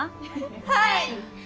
はい！